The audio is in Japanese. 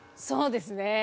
そうですね。